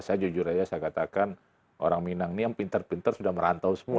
saya jujur aja saya katakan orang minang ini yang pintar pintar sudah merantau semua